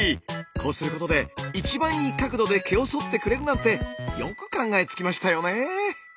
こうすることで一番いい角度で毛をそってくれるなんてよく考えつきましたよね。